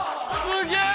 すげえ！